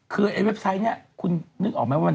คือไอ้เว็บไซต์นี้คุณนึกออกไหมว่า